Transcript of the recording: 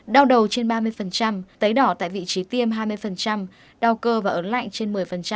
đau đầu trên ba mươi tấy đỏ tại vị trí tiêm hai mươi đau cơ và ớn lạnh trên một mươi